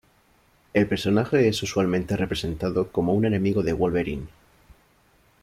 El personaje es usualmente representado como un enemigo de Wolverine.